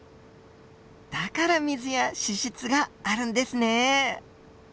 だから水や脂質があるんですね。